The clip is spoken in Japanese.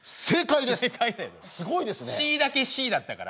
正解です。